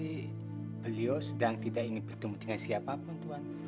tuan mangku harto sedang tidak ingin bertemu dengan siapapun tuan